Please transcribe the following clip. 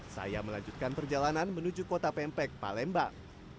saya melanjutkan perjalanan menuju kota pempek palembang